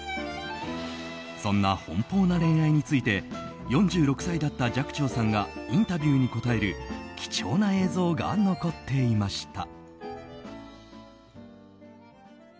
そんな奔放な恋愛について４６歳だった寂聴さんがインタビューに答える貴重な映像が残っていました。